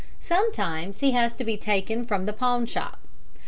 Sometimes he has to be taken from the pawn shop.